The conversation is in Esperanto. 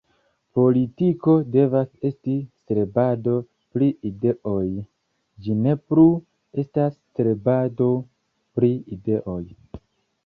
Politiko devas esti strebado pri ideoj; ĝi ne plu estas strebado pri ideoj.